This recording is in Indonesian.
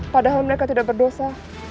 padahal mereka tidak berdosa